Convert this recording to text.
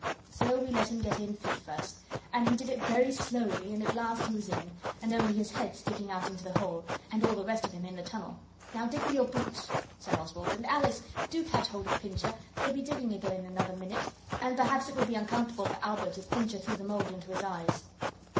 So we let him get in feet first and he did it very slowly and at last he was in, and only his head sticking out into the hole; and all the rest of him in the tunnel. 'Now dig with your boots,' said Oswald; 'and, Alice, do catch hold of Pincher, he'll be digging again in another minute, and perhaps it would be uncomfortable for Albert if Pincher threw the mould into his eyes.